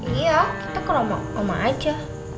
iya kita ke rumah oma aja